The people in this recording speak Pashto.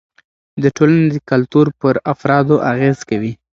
د ټولنې کلتور پر افرادو اغېز کوي.